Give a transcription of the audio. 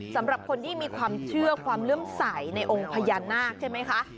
สำหรับคนที่มีความเชื่อความเลื่อมใสในองค์พญานาคใช่ไหมคะ